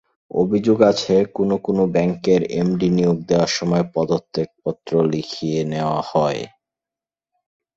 অভিযোগ আছে কোনো কোনো ব্যাংকের এমডি নিয়োগ দেওয়ার সময় পদত্যাগপত্র লিখিয়ে নেওয়া হয়।